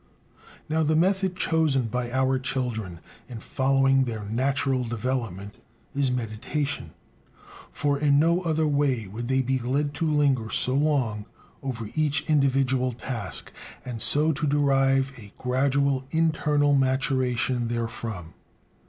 Now the method chosen by our children in following their natural development is "meditation," for in no other way would they be led to linger so long over each individual task, and so to derive a gradual internal maturation therefrom.